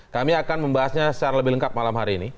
kami akan membahasnya secara lebih lengkap malam hari ini